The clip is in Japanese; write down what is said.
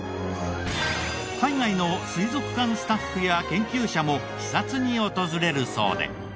海外の水族館スタッフや研究者も視察に訪れるそうで。